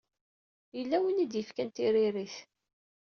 Yella win ay d-yefkan tiririt.